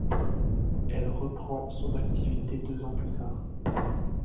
Elle reprend son activité deux ans plus tard.